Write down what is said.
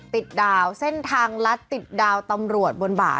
ดาวเส้นทางลัดติดดาวตำรวจบนบ่า